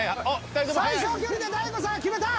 最小距離で大悟さんが決めた。